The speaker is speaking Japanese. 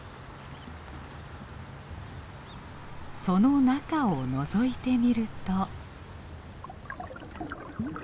その中をのぞいてみると。